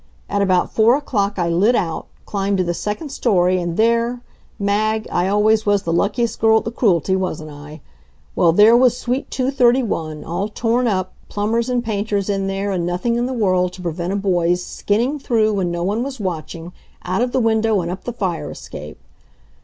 At about four o'clock I lit out, climbed to the second story and there Mag, I always was the luckiest girl at the Cruelty, wasn't I? Well, there was suite 231 all torn up, plumbers and painters in there, and nothing in the world to prevent a boy's skinning through when no one was watching, out of the window and up the fire escape.